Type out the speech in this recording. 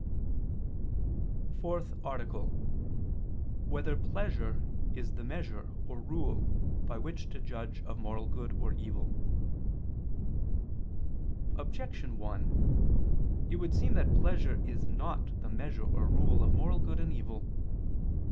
________________________ FOURTH ARTICLE [I II, Q. 34, Art. 4] Whether Pleasure Is the Measure or Rule by Which to Judge of Moral Good or Evil? Objection 1: It would seem that pleasure is not the measure or rule of moral good and evil.